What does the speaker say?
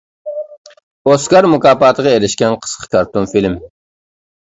ئوسكار مۇكاپاتىغا ئېرىشكەن قىسقا كارتون فىلىم.